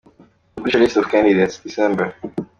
Publish a list of candidates ,December,.